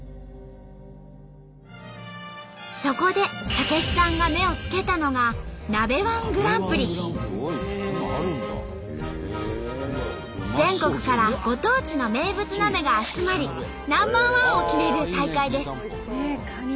そこで武子さんが目をつけたのが全国からご当地の名物鍋が集まりナンバーワンを決める大会です。